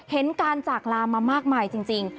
เห็นการจากลามามากมายจริง